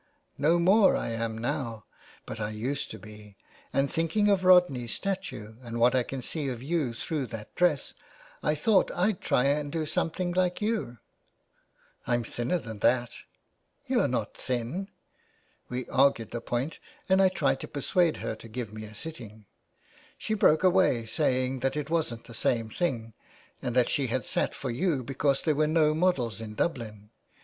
"* No more I am now, but I used to be ; and thinking of Rodney's statue and what I can see of you through that dress I thought I'd try and do something Hke you.' "' I'm thinner than that' "' You're not thin.' " We argued the point, and I tried to persuade her to give me a sitting. She broke away, saying that it wasn't the same thing, and that she had sat for you because there were no models in Dublin.